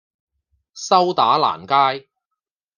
修打蘭街